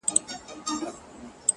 چي څه مستې جوړه سي لږه شانې سور جوړ سي”